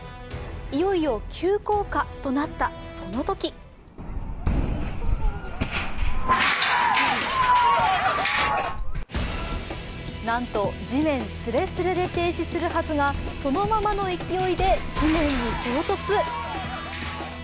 いよいよ急降下となった、そのときなんと、地面すれすれで停止するはずがそのままの勢いで地面に衝突。